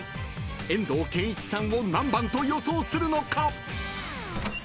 ［遠藤憲一さんを何番と予想するのか？］